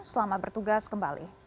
selamat bertugas kembali